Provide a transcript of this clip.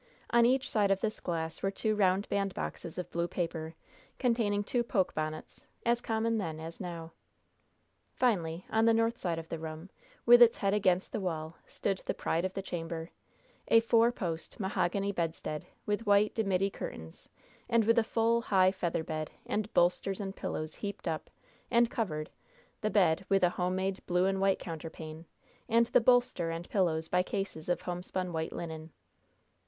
On each side of this glass were two round bandboxes of blue paper, containing two poke bonnets, as common then as now. Finally, on the north side of the room, with its head against the wall, stood the pride of the chamber a four post, mahogany bedstead with white, dimity curtains, and with a full, high, feather bed and bolsters and pillows heaped up, and covered the bed with a homemade, blue and white counterpane, and the bolster and pillows by cases of homespun white linen.